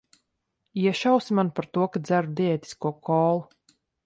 Iešausi man par to, ka dzeru diētisko kolu?